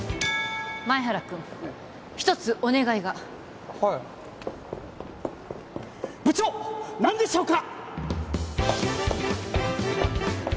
前原君一つお願いがはい部長何でしょうか！